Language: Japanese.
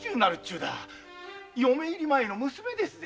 まだ嫁入り前の娘ですぜ。